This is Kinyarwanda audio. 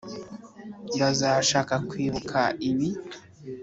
bazashaka kwibuka ibi.